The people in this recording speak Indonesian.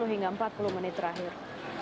tiga puluh hingga empat puluh menit terakhir